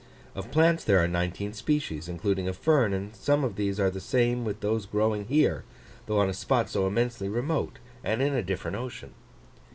Of plants there are nineteen species, including a fern; and some of these are the same with those growing here, though on a spot so immensely remote, and in a different ocean.